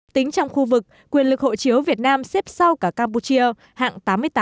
tính trong khu vực quyền lực hộ chiếu việt nam xếp sau cả campuchia hạng tám mươi tám